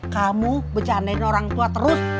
kamu bercandain orang tua terus